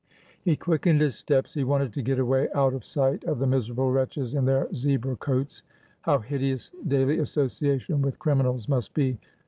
He quickened his steps. He wanted to get away— out of sight of the miserable wretches in their zebra coats. How hideous daily association with criminals must be!